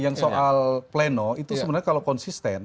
yang soal pleno itu sebenarnya kalau konsisten